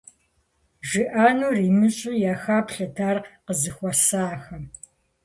ЖиӀэнур имыщӀэу яхэплъэрт ар къызэхуэсахэм.